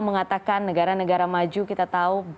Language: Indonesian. mengatakan negara negara maju kita tahu